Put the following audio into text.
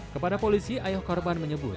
kepada polisi ayah korban menyebut